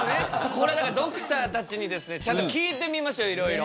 これからドクターたちにちゃんと聞いてみましょういろいろ。